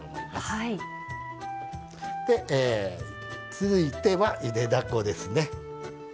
続いてはゆでだこですね。